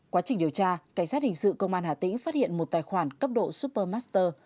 quá trình điều tra cảnh sát hình sự công an hà tĩnh phát hiện một tài khoản cấp độ super master